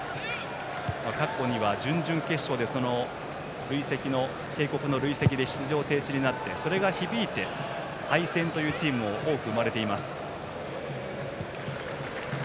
過去には準々決勝で警告の累積で出場停止になってそれが響いて敗戦というチームも多く生まれています。